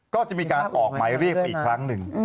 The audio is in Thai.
ก็จะมีการออกหมายเรียกไปอีกครั้งหนึ่ง